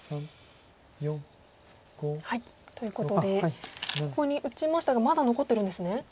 ４５。ということでここに打ちましたがまだ残ってるんですね。